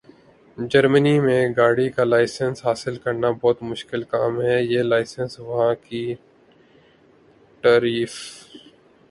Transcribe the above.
۔جرمنی میں گاڑی کا لائسنس حاصل کرنا بہت مشکل کام ہے۔ یہ لائسنس وہاں کی ٹریف